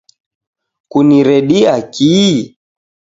Kuniredia kii